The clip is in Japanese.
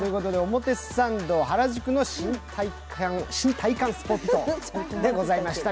表参道・原宿の新体感スポットでございました。